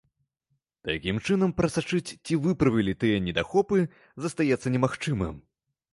Такім чынам, прасачыць, ці выправілі тыя недахопы, застаецца немагчымым.